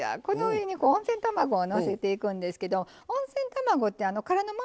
この上に温泉卵をのせていくんですけど温泉卵って殻のままパカッと割るとね